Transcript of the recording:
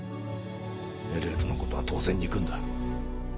ＬＬのことは当然憎んだ。